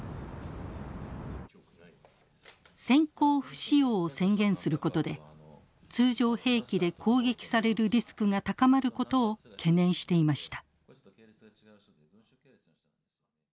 先行不使用を宣言することで通常兵器で攻撃されるリスクが高まることを懸念していました。